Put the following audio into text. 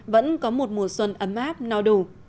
vẫn có một mùa xuân ấm áp no đủ